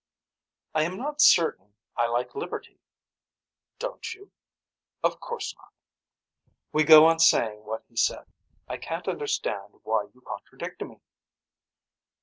I am not certain I like liberty. Don't you. Of course not. We go on saying what he said. I can't understand why you contradict me.